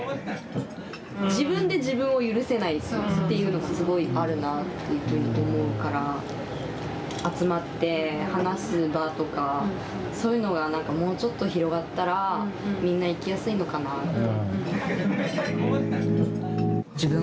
・悔しい。っていうのがすごいあるなっていうふうに思うから集まって話す場とかそういうのがなんかもうちょっと広がったらみんな生きやすいのかなって。